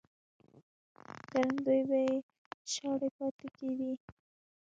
کروندې به یې شاړې پاتې کېدې.